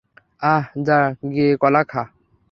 আহ, যা গিয়ে কলা খা।